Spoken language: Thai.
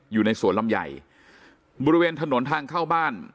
อยู่ในสวนลำไยบริเวณถนนทางเข้าบ้าน